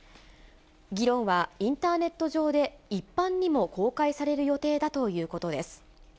議論はインターネット上で一般にも公開される予定だということです。